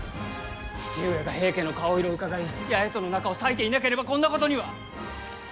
父上が平家の顔色をうかがい八重との仲を裂いていなければこんなことには！